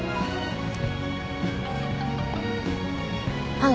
はい。